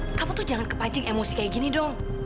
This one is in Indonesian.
eh kamu tuh jangan kepancing emosi kayak gini dong